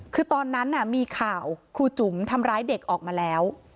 คือตอนนั้นมีข่าวครูจุ๋มทำร้ายเด็กออกมาแล้ว